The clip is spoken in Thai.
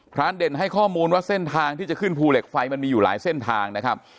เด่นให้ข้อมูลว่าเส้นทางที่จะขึ้นภูเหล็กไฟมันมีอยู่หลายเส้นทางนะครับ